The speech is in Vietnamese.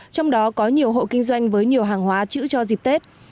trong đó có nhiều hộ kinh doanh với nhiều hàng hóa chữ cho dịp tết